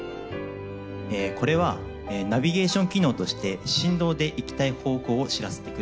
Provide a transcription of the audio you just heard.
これはナビゲーション機能として振動で行きたい方向を知らせてくれる。